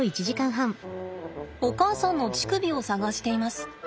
お母さんの乳首を探しています。